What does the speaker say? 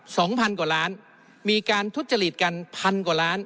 สองพันกว่าล้านมีการทุจริตกันพันกว่าล้าน